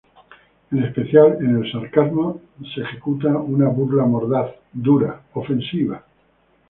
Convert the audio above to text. En especial, en el sarcasmo se ejecuta una burla mordaz, dura, ofensiva.